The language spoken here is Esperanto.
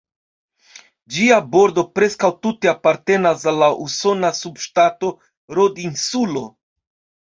Ĝia bordo preskaŭ tute apartenas al la usona subŝtato Rod-Insulo.